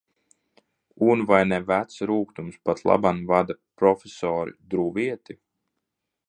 Un vai ne vecs rūgtums patlaban vada profesori Druvieti?